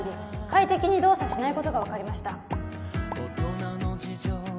快適に動作しないことが分かりました